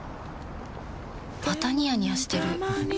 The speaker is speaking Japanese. またニヤニヤしてるふふ。